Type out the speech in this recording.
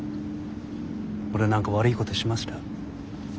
俺何か悪いことしました？